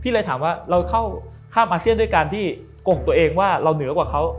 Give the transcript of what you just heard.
เลยถามว่าเราเข้าข้ามอาเซียนด้วยการที่โก่งตัวเองว่าเราเหนือกว่าเขา